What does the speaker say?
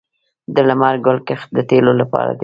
د لمر ګل کښت د تیلو لپاره دی